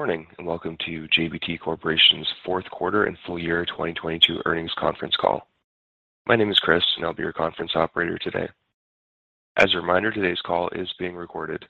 Good morning, welcome to JBT Corporation's Fourth Quarter and Full Year 2022 Earnings Conference Call. My name is Chris, and I'll be your conference operator today. As a reminder, today's call is being recorded.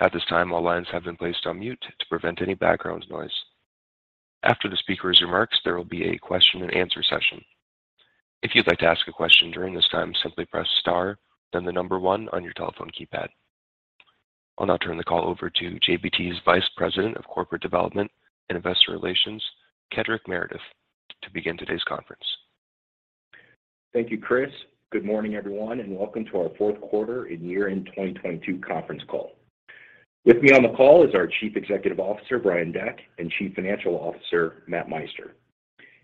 At this time, all lines have been placed on mute to prevent any background noise. After the speaker's remarks, there will be a question-and-answer session. If you'd like to ask a question during this time, simply press star then the number one on your telephone keypad. I'll now turn the call over to JBT's Vice President of Corporate Development and Investor Relations, Kedric Meredith, to begin today's conference. Thank you, Chris. Good morning, everyone, and welcome to our Fourth Quarter and Year-End 2022 Conference Call. With me on the call is our Chief Executive Officer, Brian Deck, and Chief Financial Officer, Matt Meister.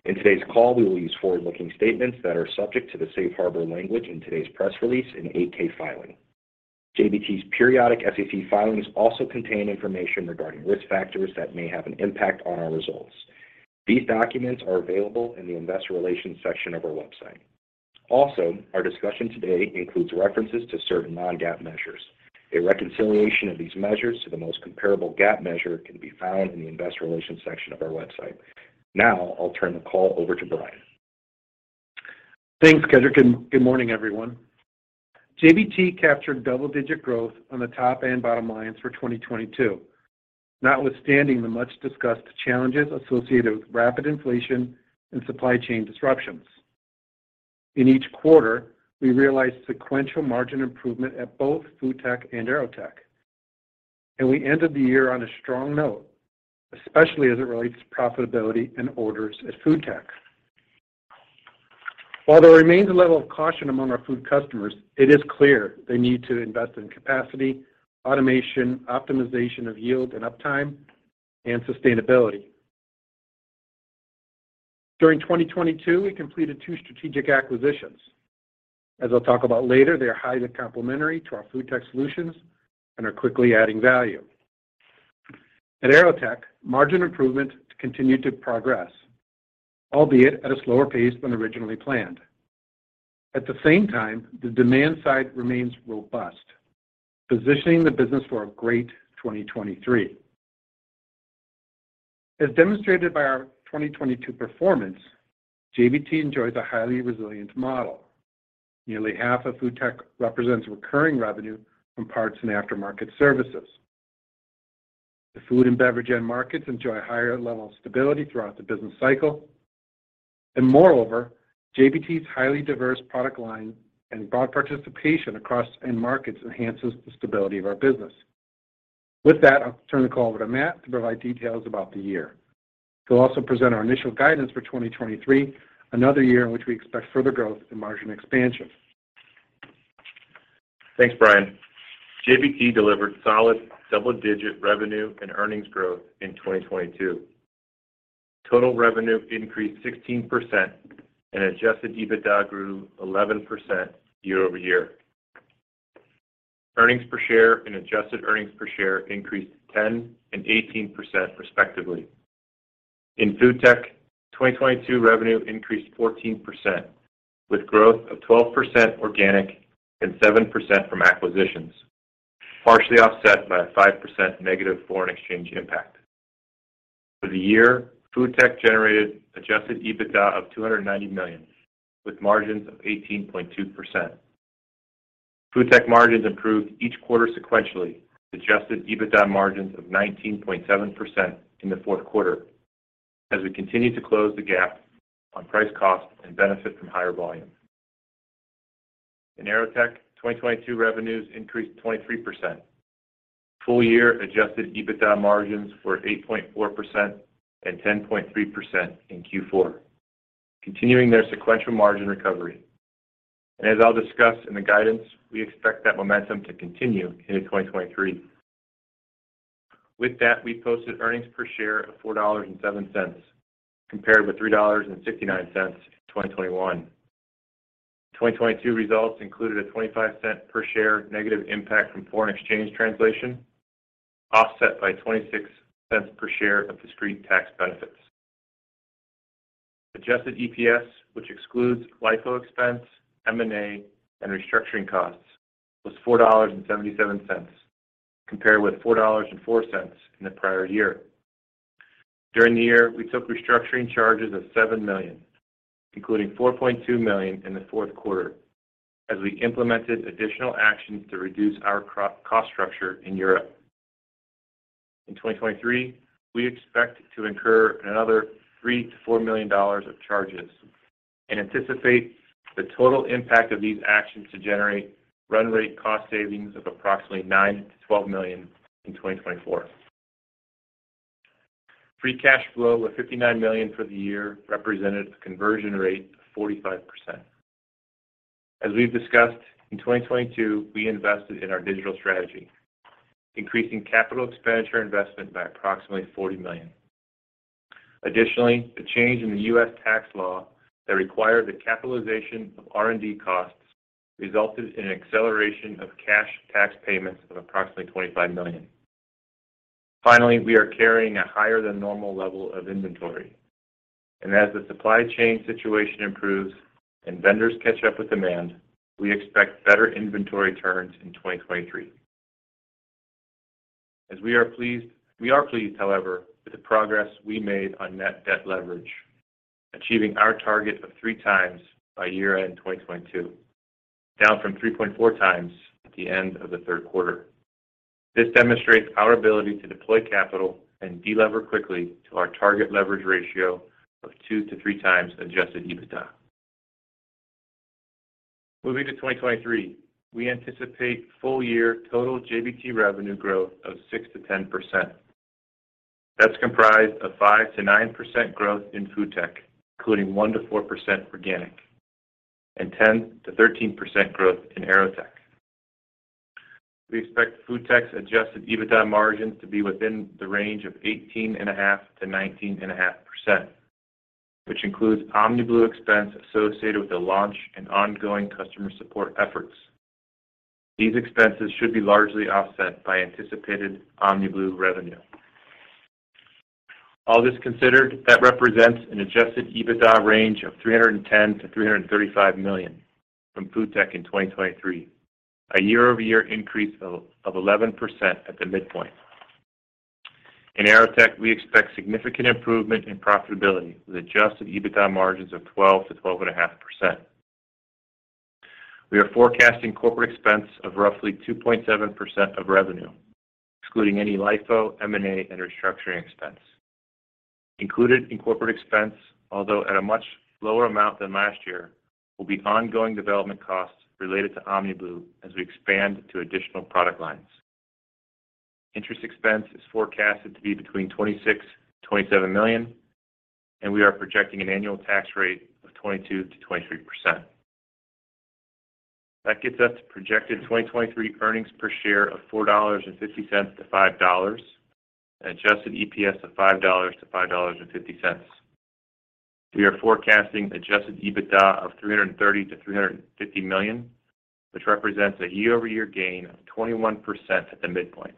In today's call, we will use forward-looking statements that are subject to the safe harbor language in today's press release and 8-K filing. JBT's periodic SEC filings also contain information regarding risk factors that may have an impact on our results. These documents are available in the investor relations section of our website. Our discussion today includes references to certain non-GAAP measures. A reconciliation of these measures to the most comparable GAAP measure can be found in the investor relations section of our website. I'll turn the call over to Brian. Thanks, Kedric. Good morning, everyone. JBT captured double-digit growth on the top and bottom lines for 2022, notwithstanding the much-discussed challenges associated with rapid inflation and supply chain disruptions. In each quarter, we realized sequential margin improvement at both FoodTech and AeroTech. We ended the year on a strong note, especially as it relates to profitability and orders at FoodTech. While there remains a level of caution among our food customers, it is clear they need to invest in capacity, automation, optimization of yield and uptime, and sustainability. During 2022, we completed two strategic acquisitions. As I'll talk about later, they are highly complementary to our FoodTech solutions and are quickly adding value. At AeroTech, margin improvement continued to progress, albeit at a slower pace than originally planned. At the same time, the demand side remains robust, positioning the business for a great 2023. As demonstrated by our 2022 performance, JBT enjoys a highly resilient model. Nearly half of FoodTech represents recurring revenue from parts and aftermarket services. The food and beverage end markets enjoy a higher level of stability throughout the business cycle. Moreover, JBT's highly diverse product line and broad participation across end markets enhances the stability of our business. With that, I'll turn the call over to Matt to provide details about the year. He'll also present our initial guidance for 2023, another year in which we expect further growth and margin expansion. Thanks, Brian. JBT delivered solid double-digit revenue and earnings growth in 2022. Total revenue increased 16% and adjusted EBITDA grew 11% year-over-year. Earnings per share and adjusted earnings per share increased 10% and 18% respectively. In FoodTech, 2022 revenue increased 14% with growth of 12% organic and 7% from acquisitions, partially offset by a 5% negative foreign exchange impact. For the year, FoodTech generated adjusted EBITDA of $290 million with margins of 18.2%. FoodTech margins improved each quarter sequentially, adjusted EBITDA margins of 19.7% in the fourth quarter as we continued to close the gap on price cost and benefit from higher volume. In AeroTech, 2022 revenues increased 23%. Full year adjusted EBITDA margins were 8.4% and 10.3% in Q4, continuing their sequential margin recovery. As I'll discuss in the guidance, we expect that momentum to continue into 2023. With that, we posted earnings per share of $4.07 compared with $3.69 in 2021. 2022 results included a $0.25 per share negative impact from foreign exchange translation, offset by $0.26 per share of discrete tax benefits. Adjusted EPS, which excludes LIFO expense, M&A, and restructuring costs, was $4.77 compared with $4.04 in the prior year. During the year, we took restructuring charges of $7 million, including $4.2 million in the fourth quarter as we implemented additional actions to reduce our cost structure in Europe. In 2023, we expect to incur another $3 million-$4 million of charges and anticipate the total impact of these actions to generate run rate cost savings of approximately $9 million-$12 million in 2024. Free cash flow of $59 million for the year represented a conversion rate of 45%. As we've discussed, in 2022 we invested in our digital strategy, increasing capital expenditure investment by approximately $40 million. Additionally, the change in the U.S. tax law that required the capitalization of R&D costs resulted in an acceleration of cash tax payments of approximately $25 million. Finally, we are carrying a higher than normal level of inventory. As the supply chain situation improves and vendors catch up with demand, we expect better inventory turns in 2023. We are pleased, however, with the progress we made on net debt leverage, achieving our target of 3x by year-end 2022, down from 3.4x at the end of the third quarter. This demonstrates our ability to deploy capital and de-lever quickly to our target leverage ratio of 2-3x adjusted EBITDA. Moving to 2023, we anticipate full-year total JBT revenue growth of 6%-10%. That's comprised of 5%-9% growth in FoodTech, including 1%-4% organic and 10%-13% growth in AeroTech. We expect FoodTech's adjusted EBITDA margins to be within the range of 18.5%-19.5%, which includes OmniBlu expense associated with the launch and ongoing customer support efforts. These expenses should be largely offset by anticipated OmniBlu revenue. All this considered, that represents an adjusted EBITDA range of $310 million-$335 million from JBT FoodTech in 2023, a year-over-year increase of 11% at the midpoint. In AeroTech, we expect significant improvement in profitability with adjusted EBITDA margins of 12%-12.5%. We are forecasting corporate expense of roughly 2.7% of revenue, excluding any LIFO, M&A, and restructuring expense. Included in corporate expense, although at a much lower amount than last year, will be ongoing development costs related to OmniBlu as we expand to additional product lines. Interest expense is forecasted to be between $26 million and $27 million. We are projecting an annual tax rate of 22%-23%. That gets us to projected 2023 EPS of $4.50-$5.00 and adjusted EPS of $5.00-$5.50. We are forecasting adjusted EBITDA of $330 million-$350 million, which represents a year-over-year gain of 21% at the midpoint.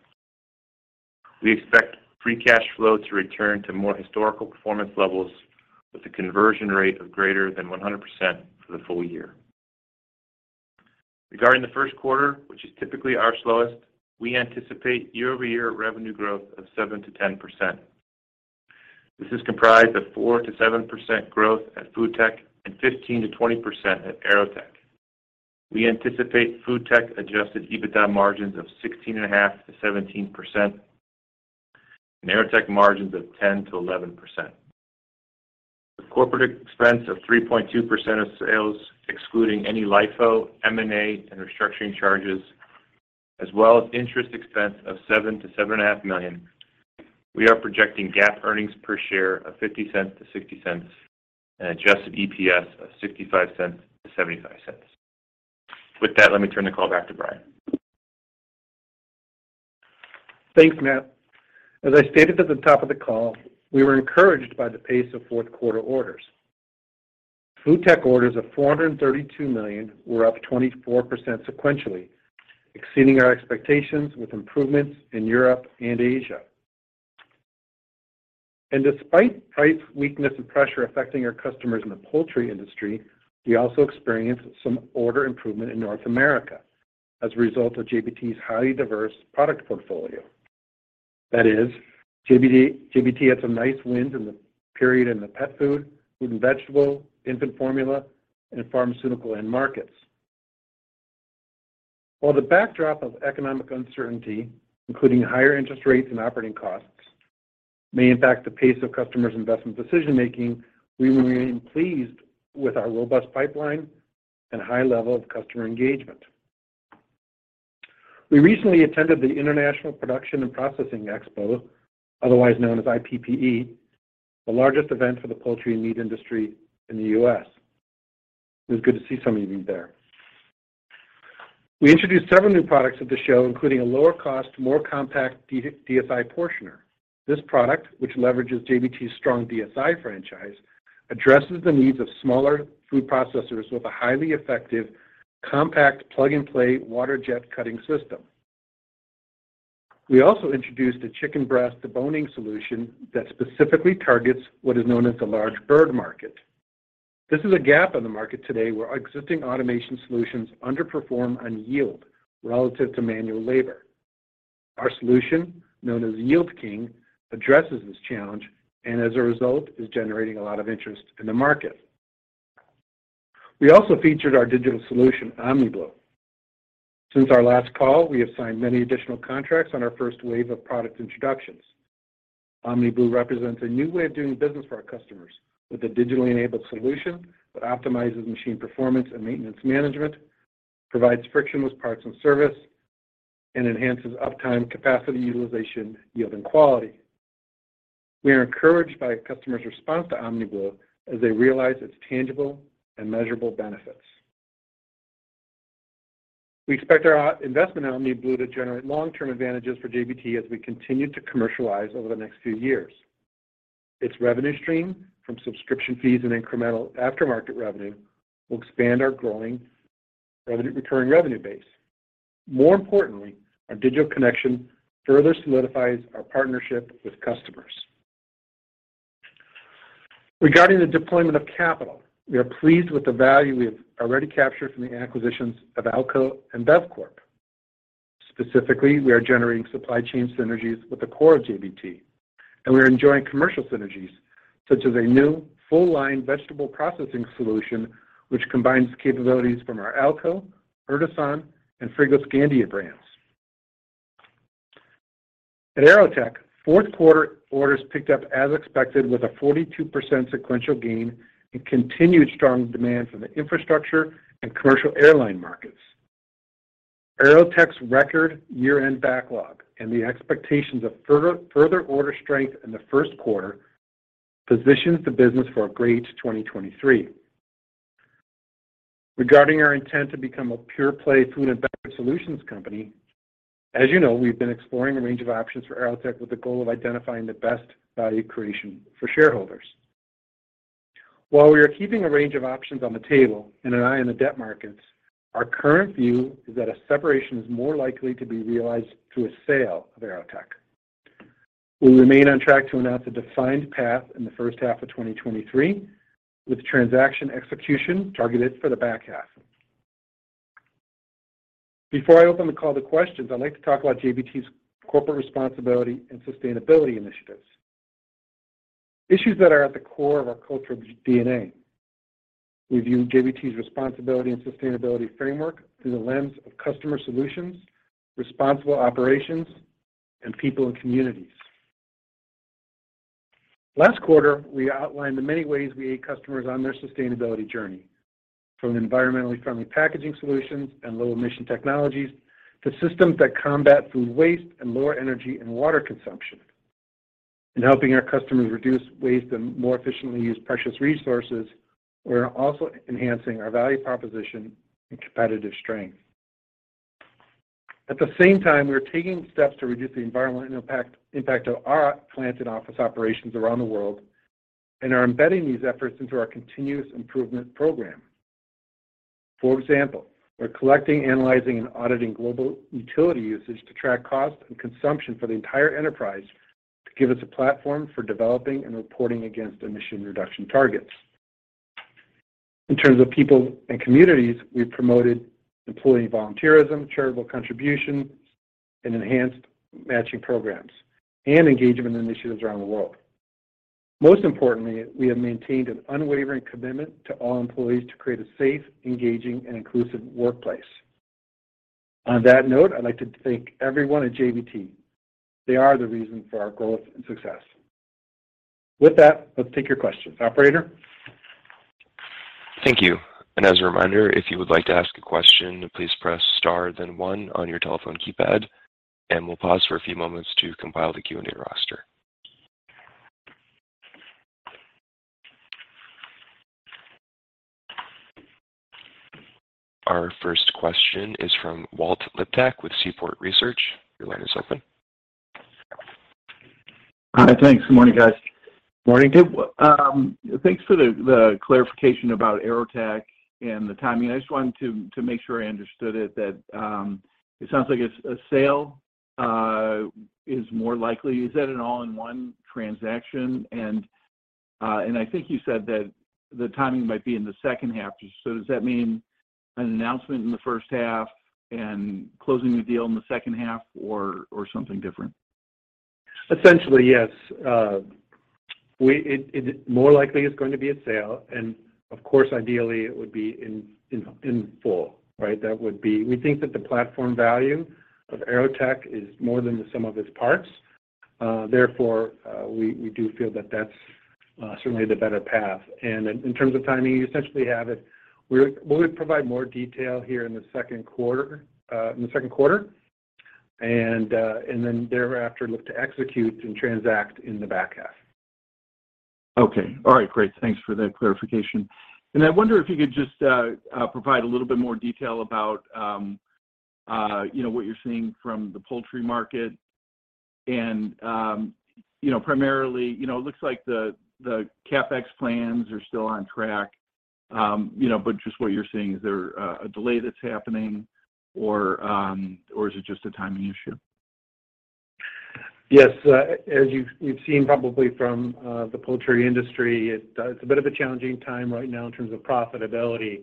We expect free cash flow to return to more historical performance levels with a conversion rate of greater than 100% for the full year. Regarding the first quarter, which is typically our slowest, we anticipate year-over-year revenue growth of 7%-10%. This is comprised of 4%-7% growth at FoodTech and 15%-20% at AeroTech. We anticipate FoodTech adjusted EBITDA margins of 16.5%-17% and AeroTech margins of 10%-11%. With corporate expense of 3.2% of sales, excluding any LIFO, M&A, and restructuring charges, as well as interest expense of $7 million-$7.5 million, we are projecting GAAP earnings per share of $0.50-$0.60 and adjusted EPS of $0.65-$0.75. With that, let me turn the call back to Brian. Thanks, Matt. As I stated at the top of the call, we were encouraged by the pace of fourth quarter orders. FoodTech orders of $432 million were up 24% sequentially, exceeding our expectations with improvements in Europe and Asia. Despite price weakness and pressure affecting our customers in the poultry industry, we also experienced some order improvement in North America as a result of JBT's highly diverse product portfolio. That is, JBT had some nice wins in the period in the pet food, fruit and vegetable, infant formula, and pharmaceutical end markets. While the backdrop of economic uncertainty, including higher interest rates and operating costs, may impact the pace of customers' investment decision-making, we remain pleased with our robust pipeline and high level of customer engagement. We recently attended the International Production and Processing Expo, otherwise known as IPPE, the largest event for the poultry and meat industry in the U.S. It was good to see some of you there. We introduced several new products at the show, including a lower cost, more compact DSI portioner. This product, which leverages JBT's strong DSI franchise, addresses the needs of smaller food processors with a highly effective, compact, plug-and-play water jet cutting system. We also introduced a chicken breast deboning solution that specifically targets what is known as the large bird market. This is a gap in the market today where existing automation solutions underperform on yield relative to manual labor. Our solution, known as Yield King, addresses this challenge and as a result is generating a lot of interest in the market. We also featured our digital solution, OmniBlu. Since our last call, we have signed many additional contracts on our first wave of product introductions. OmniBlu represents a new way of doing business for our customers with a digitally enabled solution that optimizes machine performance and maintenance management, provides frictionless parts and service, and enhances uptime, capacity utilization, yield, and quality. We are encouraged by customers' response to OmniBlu as they realize its tangible and measurable benefits. We expect our investment in OmniBlu to generate long-term advantages for JBT as we continue to commercialize over the next few years. Its revenue stream from subscription fees and incremental aftermarket revenue will expand our growing recurring revenue base. Our digital connection further solidifies our partnership with customers. Regarding the deployment of capital, we are pleased with the value we have already captured from the acquisitions of Alco and Bevcorp. Specifically, we are generating supply chain synergies with the core of JBT, and we are enjoying commercial synergies such as a new full line vegetable processing solution, which combines capabilities from our Alco, Urtasun, and Frigoscandia brands. At AeroTech, fourth quarter orders picked up as expected with a 42% sequential gain and continued strong demand from the infrastructure and commercial airline markets. AeroTech's record year-end backlog and the expectations of further order strength in the first quarter positions the business for a great 2023. Regarding our intent to become a pure-play food and beverage solutions company, as you know, we've been exploring a range of options for AeroTech with the goal of identifying the best value creation for shareholders. While we are keeping a range of options on the table and an eye on the debt markets, our current view is that a separation is more likely to be realized through a sale of AeroTech. We remain on track to announce a defined path in the first half of 2023, with transaction execution targeted for the back half. Before I open the call to questions, I'd like to talk about JBT's corporate responsibility and sustainability initiatives, issues that are at the core of our cultural DNA. We view JBT's responsibility and sustainability framework through the lens of customer solutions, responsible operations, and people and communities. Last quarter, we outlined the many ways we aid customers on their sustainability journey, from environmentally friendly packaging solutions and low emission technologies to systems that combat food waste and lower energy and water consumption. In helping our customers reduce waste and more efficiently use precious resources, we're also enhancing our value proposition and competitive strength. At the same time, we are taking steps to reduce the environmental impact of our plants and office operations around the world and are embedding these efforts into our continuous improvement program. For example, we're collecting, analyzing, and auditing global utility usage to track cost and consumption for the entire enterprise to give us a platform for developing and reporting against emission reduction targets. In terms of people and communities, we've promoted employee volunteerism, charitable contributions, and enhanced matching programs and engagement initiatives around the world. Most importantly, we have maintained an unwavering commitment to all employees to create a safe, engaging, and inclusive workplace. On that note, I'd like to thank everyone at JBT. They are the reason for our growth and success. With that, let's take your questions. Operator? Thank you. As a reminder, if you would like to ask a question, please press star then one on your telephone keypad. We'll pause for a few moments to compile the Q&A roster. Our first question is from Walt Liptak with Seaport Research. Your line is open. Hi. Thanks. Good morning, guys. Morning, team. Thanks for the clarification about AeroTech and the timing. I just wanted to make sure I understood it, that, it sounds like it's a sale, is more likely. Is that an all-in-one transaction? I think you said that the timing might be in the second half. Does that mean an announcement in the first half and closing the deal in the second half or something different? Essentially, yes. It more likely is going to be a sale, and of course, ideally, it would be in full, right? We think that the platform value of AeroTech is more than the sum of its parts. Therefore, we do feel that that's certainly the better path. In terms of timing, you essentially have it. We'll provide more detail here in the second quarter, and then thereafter look to execute and transact in the back half. Okay. All right. Great. Thanks for that clarification. I wonder if you could just provide a little bit more detail about, you know, what you're seeing from the poultry market and, you know, primarily, you know, it looks like the CapEx plans are still on track. You know, but just what you're seeing, is there a delay that's happening or is it just a timing issue? Yes. As you've seen probably from the poultry industry, it's a bit of a challenging time right now in terms of profitability.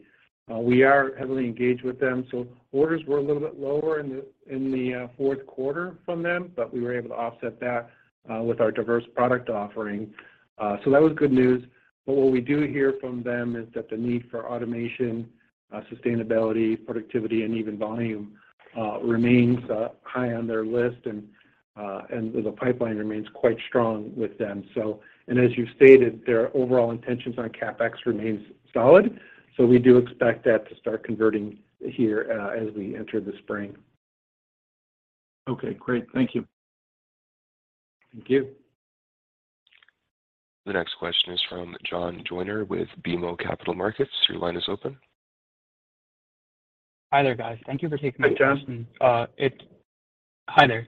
We are heavily engaged with them, so orders were a little bit lower in the fourth quarter from them, but we were able to offset that with our diverse product offering. That was good news. What we do hear from them is that the need for automation, sustainability, productivity, and even volume remains high on their list and the pipeline remains quite strong with them. As you stated, their overall intentions on CapEx remains solid. We do expect that to start converting here as we enter the spring. Okay. Great. Thank you. Thank you. The next question is from John Joyner with BMO Capital Markets. Your line is open. Hi there, guys. Thank you for taking my question. Hi, John. Hi there.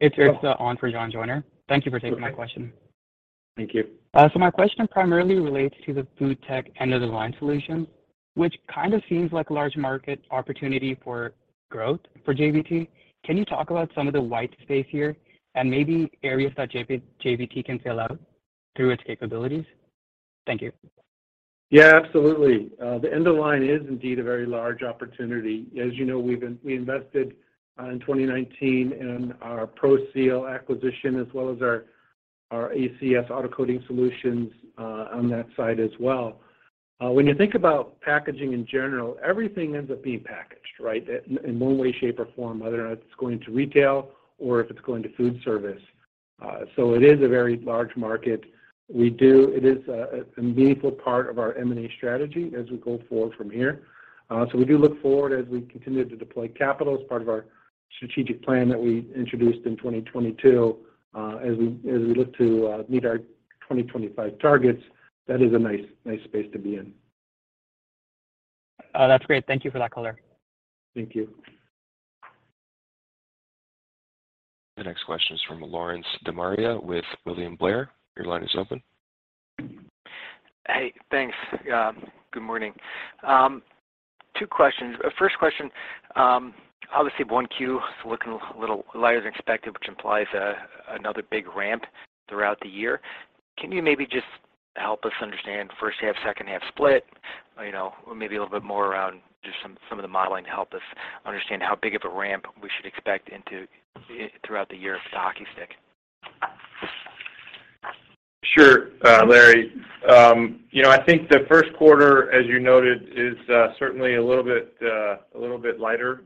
It's Mig Dobre on for John Joyner. Thank you for taking my question. Okay. Thank you. My question primarily relates to the food tech end-of-the-line solution, which kind of seems like a large market opportunity for growth for JBT. Can you talk about some of the white space here and maybe areas that JBT can fill out through its capabilities? Thank you. Yeah, absolutely. The end of line is indeed a very large opportunity. As you know, we invested in 2019 in our ProSeal acquisition, as well as our ACS Automated Coating System on that side as well. When you think about packaging in general, everything ends up being packaged, right? In one way, shape, or form, whether or not it's going to retail or if it's going to food service. It is a very large market. It is a meaningful part of our M&A strategy as we go forward from here. We do look forward as we continue to deploy capital as part of our strategic plan that we introduced in 2022, as we look to meet our 2025 targets. That is a nice space to be in. That's great. Thank you for that color. Thank you. The next question is from Lawrence De Maria with William Blair. Your line is open. Hey, thanks. Good morning. Two questions. First question, obviously, 1Q is looking a little lighter than expected, which implies another big ramp throughout the year. Can you maybe just help us understand first half, second half split, you know, or maybe a little bit more around just some of the modeling to help us understand how big of a ramp we should expect throughout the year with the hockey stick? Sure, Larry. You know, I think the first quarter, as you noted, is certainly a little bit, a little bit lighter,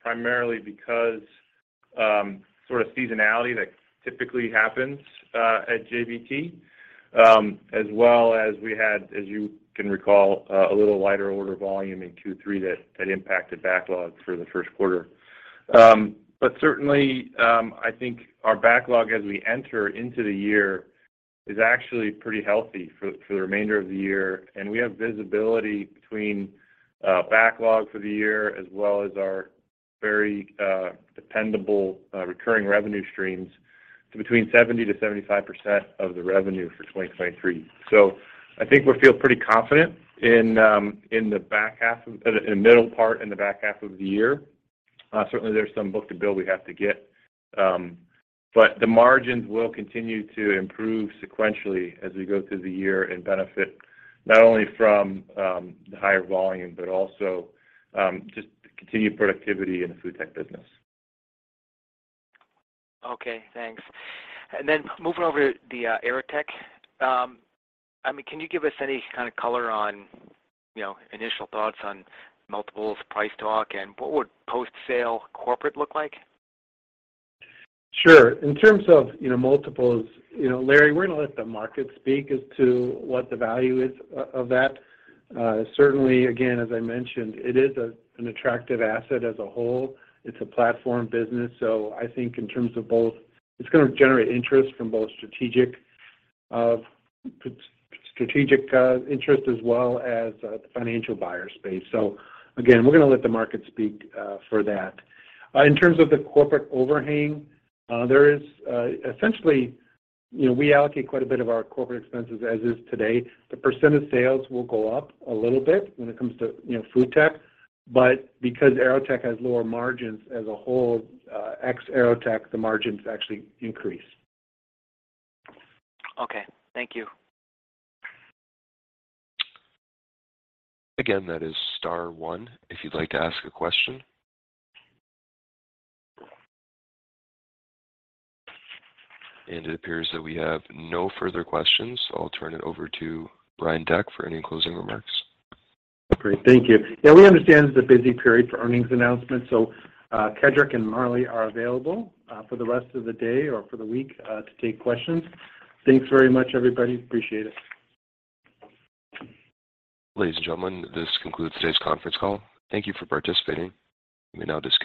primarily because sort of seasonality that typically happens at JBT. As well as we had, as you can recall, a little lighter order volume in Q3 that impacted backlogs for the first quarter. Certainly, I think our backlog as we enter into the year is actually pretty healthy for the remainder of the year. We have visibility between backlog for the year, as well as our very dependable recurring revenue streams to between 70%-75% of the revenue for 2023. I think we feel pretty confident in the middle part, in the back half of the year. Certainly there's some book to build we have to get, but the margins will continue to improve sequentially as we go through the year and benefit not only from the higher volume, but also just continued productivity in the FoodTech business. Okay, thanks. Moving over to the AeroTech. I mean, can you give us any kind of color on, you know, initial thoughts on multiples price talk, and what would post-sale corporate look like? Sure. In terms of, you know, multiples, you know, Larry, we're gonna let the market speak as to what the value is of that. Certainly, again, as I mentioned, it is an attractive asset as a whole. It's a platform business. I think in terms of both, it's gonna generate interest from both strategic interest as well as the financial buyer space. Again, we're gonna let the market speak for that. In terms of the corporate overhang, there is essentially, you know, we allocate quite a bit of our corporate expenses as is today. The percentage of sales will go up a little bit when it comes to, you know, FoodTech. Because AeroTech has lower margins as a whole, ex AeroTech, the margins actually increase. Okay. Thank you. Again, that is star one if you'd like to ask a question. It appears that we have no further questions, so I'll turn it over to Brian Deck for any closing remarks. Great. Thank you. Yeah, we understand this is a busy period for earnings announcements, so, Kedric and Marlee are available for the rest of the day or for the week to take questions. Thanks very much, everybody. Appreciate it. Ladies and gentlemen, this concludes today's conference call. Thank you for participating. You may now disconnect.